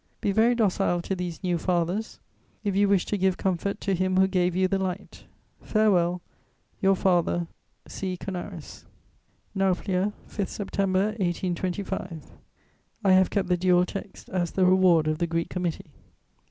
Be very docile to these new fathers, if you wish to give comfort to him who gave you the light. Farewell. "Your father, "C. CANARIS." "NAUPLIA, 5 September 1825. [Sidenote: The Greek Committee.] I have kept the dual text as the reward of the Greek Committee.